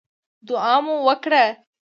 دعا مو وکړه.